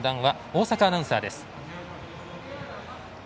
大坂アナウンサーです。